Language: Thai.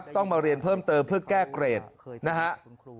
ต้องมาเรียนเพิ่มเติมเพื่อแก้เกรดนะฮะ